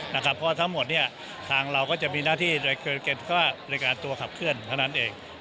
เพราะทั้งหมดทางเราก็จะมีหน้าที่ในการตัวขับเคลื่อนเท่านั้นเอง